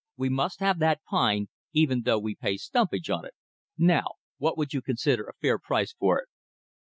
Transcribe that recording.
We must have that pine, even though we pay stumpage on it. Now what would you consider a fair price for it?"